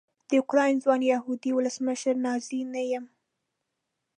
د اوکراین ځوان یهودي ولسمشر نازي نه یم.